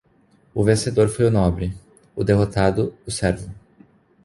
O vencedor foi o nobre, o derrotado o servo.